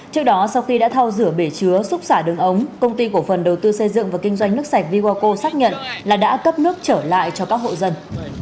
trước đó sau khi đã thao rửa bể chứa xúc xả đường ống công ty cổ phần đầu tư xây dựng và kinh doanh nước sạch vivoco xác nhận là đã cấp nước trở lại cho các hộ dân